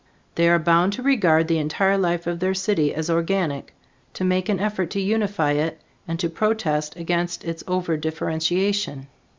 They are bound to regard the entire life of their city as organic, to make an effort to unify it, and to protest against its over differentiation.